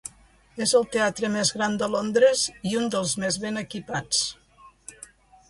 És el teatre més gran de Londres i un dels més ben equipats.